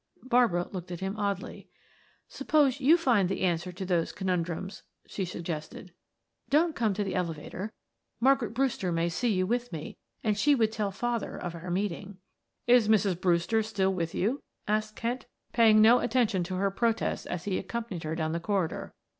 Barbara looked at him oddly. "Suppose you find the answer to those conundrums," she suggested. "Don't come to the elevator; Margaret Brewster may see you with me, and she would tell father of our meeting." "Is Mrs. Brewster still with you?" asked Kent, paying no attention to her protests as he accompanied her down the corridor.